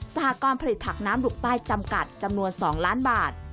หกรณ์ผลิตผักน้ำหลุกใต้จำกัดจำนวน๒ล้านบาท